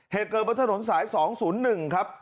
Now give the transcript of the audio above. เหตุเกิดบนถนนสายสองศูนย์หนึ่งครับ